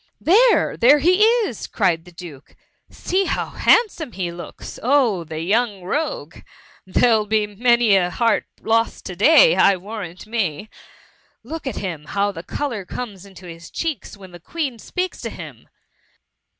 There ! there he is !" cried the Duke. ^^ See how handsome he looks 1 Oh the young rogue! there ^11 be many a heart lost to day, I warrant me ! Look at him, how the colour comes into his cheeks when the Queen speaks to him